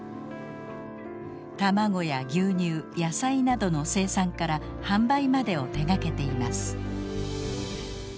卵や牛乳野菜などの生産から販売までを手がけています。